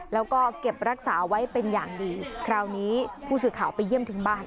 แล้วก็เก็บรักษาไว้เป็นอย่างดีคราวนี้ผู้สื่อข่าวไปเยี่ยมถึงบ้าน